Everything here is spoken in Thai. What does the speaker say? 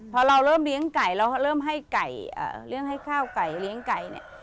พอเราเริ่มเลี้ยงไก่เราเริ่มให้ไก่เลี้ยงให้ข้าวไก่เลี้ยงไก่เนี่ย